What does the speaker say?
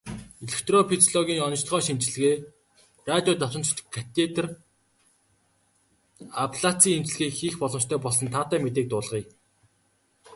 Электрофизиологийн оношилгоо, шинжилгээ, радио давтамжит катетр аблаци эмчилгээг хийх боломжтой болсон таатай мэдээг дуулгая.